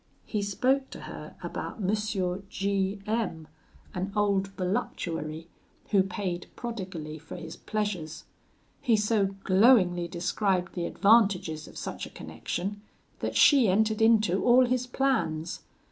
He spoke to her about M. G M , an old voluptuary, who paid prodigally for his pleasures; he so glowingly described the advantages of such a connection, that she entered into all his plans.